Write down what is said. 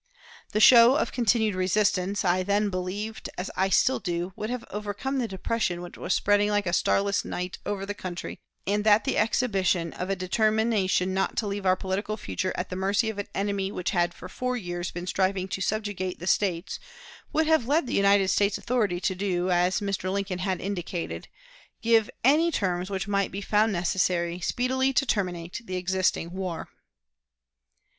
The show of continued resistance, I then believed, as I still do, would have overcome the depression which was spreading like a starless night over the country, and that the exhibition of a determination not to leave our political future at the mercy of an enemy which had for four years been striving to subjugate the States would have led the United States authorities to do, as Mr. Lincoln had indicated give any terms which might be found necessary speedily to terminate the existing war.